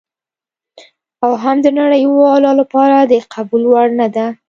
او هم د نړیوالو لپاره د قبول وړ نه ده.